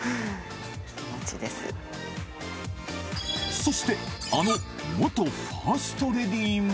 そして、あの元ファーストレディーも。